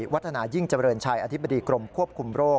วัฒนายิ่งเจริญชัยอธิบดีกรมควบคุมโรค